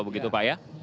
begitu pak ya